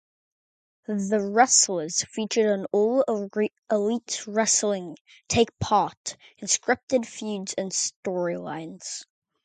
The wrestlers featured on All Elite Wrestling take part in scripted feuds and storylines.